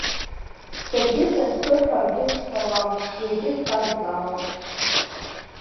Саргьы сахьцо ҳәа акгьы сҳәауам, иаргьы дсазҵаауам.